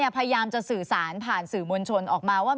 พยายามจะสื่อสารผ่านสื่อมวลชนออกมาว่า